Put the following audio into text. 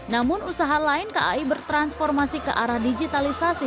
namun usaha lain kai bertransformasi ke arah digitalisasi